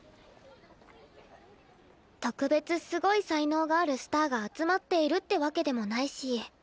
特別すごい才能があるスターが集まっているってわけでもないし。